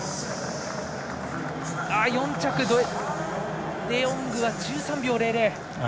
４着、デヨングは１３秒００。